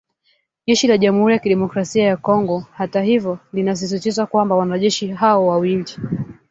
Jeshi la Jamuhuri ya Demokrasia ya Kongo hata hivyo linasisitiza kwamba wanajeshi hao wawili